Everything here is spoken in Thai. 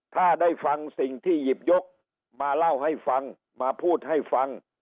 ถ้าได้ฟังสิ่งที่หยิบยกมาเล่าให้ฟังมาพูดให้ฟัง